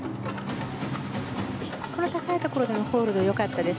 高いところでのホールはよかったです。